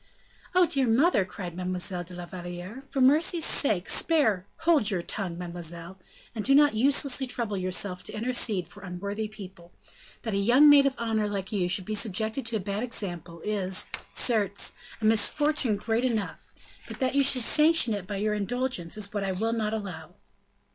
"Oh, dear mother!" cried Mademoiselle de la Valliere, "for mercy's sake, spare " "Hold your tongue, mademoiselle, and do not uselessly trouble yourself to intercede for unworthy people; that a young maid of honor like you should be subjected to a bad example is, certes, a misfortune great enough; but that you should sanction it by your indulgence is what I will not allow."